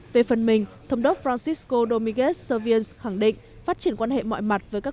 về phần mình thâm đốc francisco domínguez servien khẳng định phát triển quan hệ mọi mặt với các